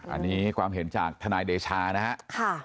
อันนี้ความเห็นจากทนายเดชานะครับ